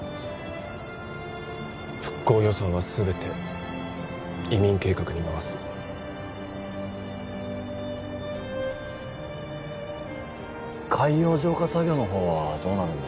復興予算は全て移民計画に回す海洋浄化作業のほうはどうなるんだ？